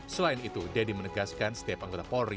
selain itu deddy menegaskan setiap anggota polri